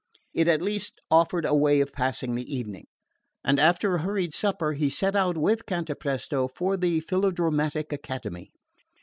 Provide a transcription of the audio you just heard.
It at least offered a way of passing the evening; and after a hurried supper he set out with Cantapresto for the Philodramatic Academy.